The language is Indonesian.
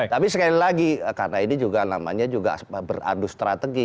tapi sekali lagi karena ini juga namanya juga beradu strategi